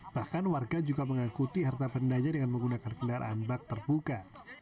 bahkan warga juga mengikuti harta bendanya dengan menggunakan gelar anbak terbuka